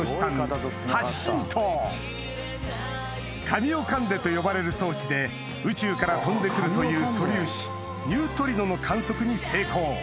「カミオカンデ」と呼ばれる装置で宇宙から飛んで来るという素粒子ニュートリノの観測に成功